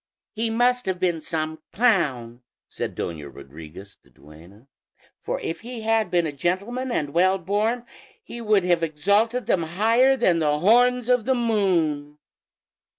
"He must have been some clown," said Doña Rodriguez, the duenna; "for if he had been a gentleman and well born he would have exalted them higher than the horns of the moon."